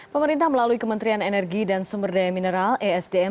pemerintah melalui kementerian energi dan sumber daya mineral esdm